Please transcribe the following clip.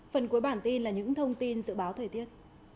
phần cuối bản tin là những thông tin dự báo thời tiết